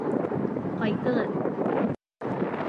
Ҡайтығыҙ!